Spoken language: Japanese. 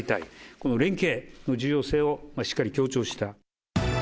この連携の重要性をしっかり強調した。